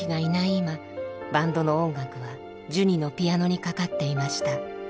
今バンドの音楽はジュニのピアノにかかっていました。